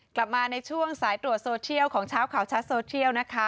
กลับมาในช่วงสายตรวจโซเชียลของเช้าข่าวชัดโซเทียลนะคะ